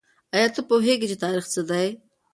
آیا ته پوهېږې چې تاریخ څه دی؟